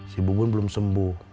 si bubun belum sembuh